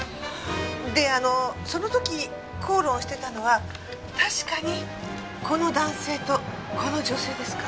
であのその時口論してたのは確かにこの男性とこの女性ですか？